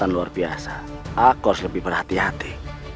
luar biasa aku harus lebih berhati hati